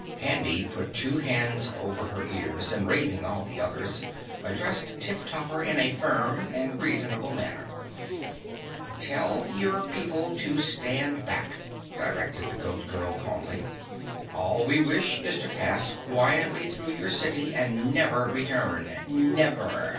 Handy put two hands over her ears and raising all the others, addressed Tip Topper in a firm and reasonable manner. "Tell your people to stand back," directed the Goat Girl calmly. "All we wish is to pass quietly through your city and never return. NEVER!"